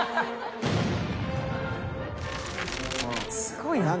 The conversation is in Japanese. すごいな。